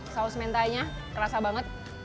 saus mentainya terasa banget